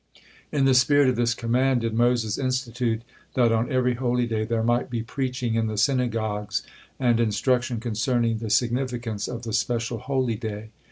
In the spirit of this command did Moses institute that on every holy day there might be preaching in the synagogues, and instruction concerning the significance of the special holy day.